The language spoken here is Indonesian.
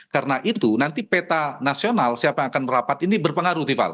karena itu nanti peta nasional siapa yang akan merapat ini berpengaruh tifal